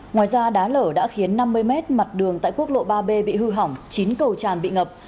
ngoài ra đá lở đã khiến năm mươi mét mặt đường tại quốc lộ ba b bị hư hỏng chín cầu tràn bị ngập